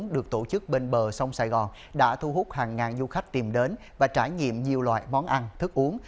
được tổ chức bên bờ sông sài gòn đã thu hút hàng ngàn du khách tìm đến và trải nghiệm nhiều loại món ăn thức uống